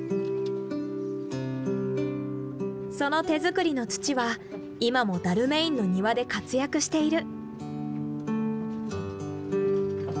その手作りの土は今もダルメインの庭で活躍している。